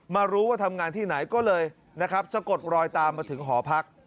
มารู้ว่าทำงานที่ไหนก็เลยนะครับสะกดรอยตามมาถึงหอพัก